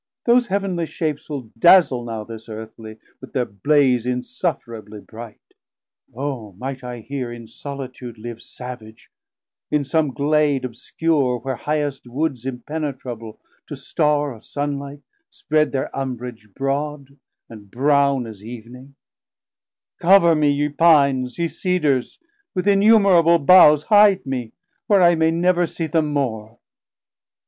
those heav'nly shapes Will dazle now this earthly, with thir blaze Insufferably bright. O might I here In solitude live savage, in some glade Obscur'd, where highest Woods impenetrable To Starr or Sun light, spread thir umbrage broad, And brown as Evening: Cover me ye Pines, Ye Cedars, with innumerable boughs Hide me, where I may never see them more.